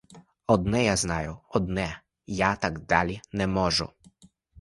Одне я знаю, одне: я так далі не можу.